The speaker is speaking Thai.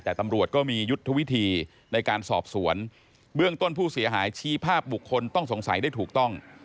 แต่ตำรวจก็มียุทธวิธีในการสอบสวนเบื้องต้นผู้เสียหายชี้ภาพบุคคลต้องสงสัยได้ถูกต้อง